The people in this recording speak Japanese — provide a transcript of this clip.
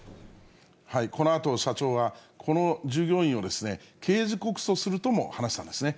このあと、社長はこの従業員を刑事告訴するとも話したんですね。